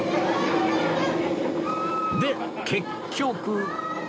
で結局